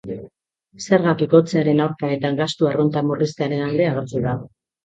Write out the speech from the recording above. Zergak igotzearen aurka eta gastu arrunta murriztearen alde agertu da.